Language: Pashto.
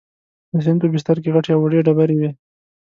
د سیند په بستر کې غټې او وړې ډبرې وې.